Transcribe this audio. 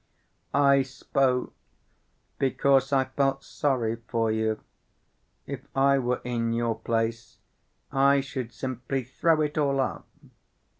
"I spoke because I felt sorry for you. If I were in your place I should simply throw it all up